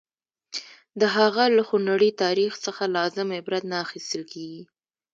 د هغه له خونړي تاریخ څخه لازم عبرت نه اخیستل کېږي.